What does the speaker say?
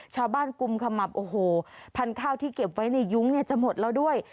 กุมขมับโอ้โหพันธุ์ข้าวที่เก็บไว้ในยุ้งเนี่ยจะหมดแล้วด้วย